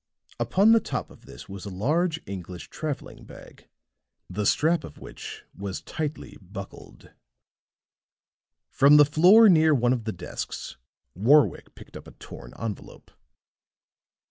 Upon the top of this was a large English traveling bag, the strap of which was tightly buckled. From the floor near one of the desks Warwick picked up a torn envelope.